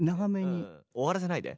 終わらせないで。